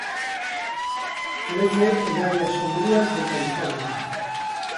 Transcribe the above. Crece en áreas sombrías de California.